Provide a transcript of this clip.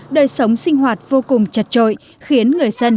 đời sống sinh hoạt vô cùng chật trội khiến người dân